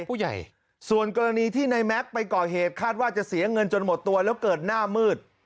ส่วนใหญ่ส่วนกรณีที่ในแม็กซ์ไปก่อเหตุคาดว่าจะเสียเงินจนหมดตัวแล้วเกิดหน้ามืด